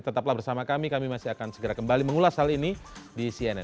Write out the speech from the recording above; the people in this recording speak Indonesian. tetaplah bersama kami kami masih akan segera kembali mengulas hal ini di cnn